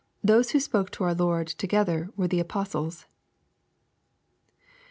6, those who spoke to our Lord together were the " apostles."